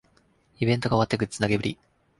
イベントが終わってグッズ投げ売り